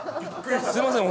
すいません。